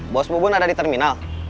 bos mubun ada di terminal